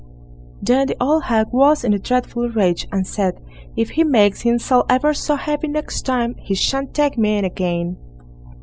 Then the old hag was in a dreadful rage, and said, "If he makes himself ever so heavy next time, he shan't take me in again."